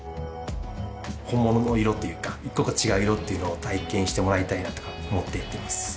本物の色っていうか一個一個違う色っていうのを体験してもらいたいなとか思ってやってます